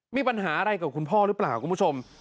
มีปัญหาอะไรกับคุณพ่อหรือเปล่าคุณผู้ชม